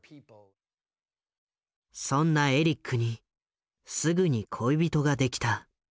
そんなエリックにすぐに恋人ができた。